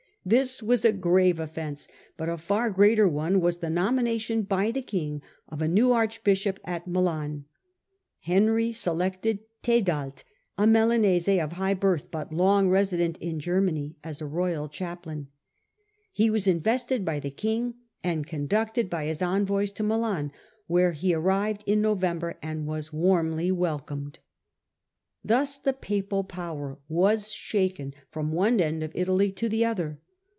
This was a grave offence ; but a far greater one was the nomination by the king of a new archbishop at Milan. Henry selected Tedald, a Milanese of high birth, but long resident in Germany, as a royal chaplain. He was invested by the king, and conducted by his envoys to Milan, where he arrived in November, and was warmly welcomed. Thus the papal power was shaken from one end of Italy to the other.